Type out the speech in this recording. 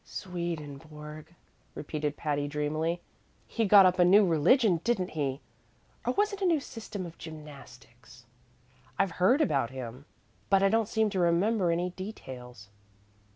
"Swedenborg," repeated Patty, dreamily. "He got up a new religion, didn't he? Or was it a new system of gymnastics? I've heard about him, but I don't seem to remember any details."